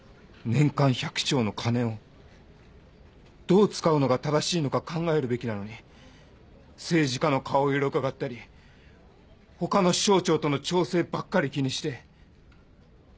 年間１００兆の金をどう使うのが正しいのか考えるべきなのに政治家の顔色うかがったり他の省庁との調整ばっかり気にして。